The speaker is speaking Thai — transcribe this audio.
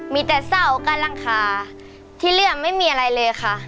มีแต่เศร้ากันหลังคาที่เหลือไม่มีอะไรเลยค่ะ